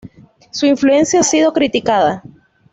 Su influencia ha sido criticada.